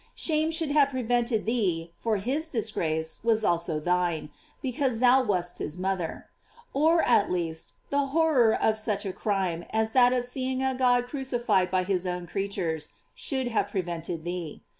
Shame should have prevented thee, for his disgrace was also thine, because thou wast his mother; or, at least, the horror of such a crime as that of seeing a God crucified by his own creatures, should have prevented thee.